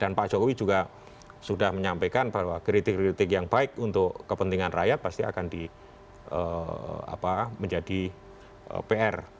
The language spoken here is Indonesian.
dan pak jokowi juga sudah menyampaikan bahwa kritik kritik yang baik untuk kepentingan rakyat pasti akan di apa menjadi pr